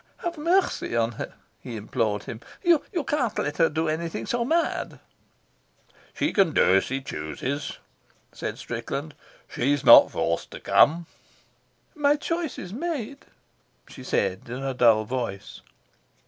"Have mercy on her," he implored him. "You can't let her do anything so mad." "She can do as she chooses," said Strickland. "She's not forced to come." "My choice is made," she said, in a dull voice.